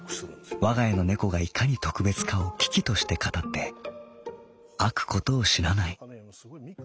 「わが家の猫がいかに特別かを嬉々として語って飽くことを知らない。